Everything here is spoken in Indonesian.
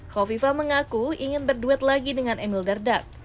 kofifa mengaku ingin berduet lagi dengan emil dardak